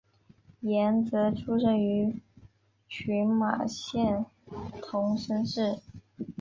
岩泽出生于群马县桐生市。